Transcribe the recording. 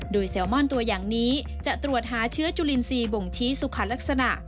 โดยเซลมอนตัวอย่างนี้จะตรวจหาเชื้อจุลินทรีย์บ่งชี้สุขลักษณะ